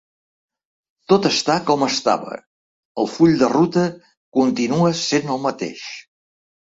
Tot està com estava, el full de ruta continua essent el mateix.